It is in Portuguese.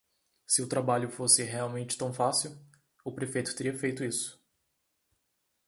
Se o trabalho fosse realmente tão fácil, o prefeito teria feito isso.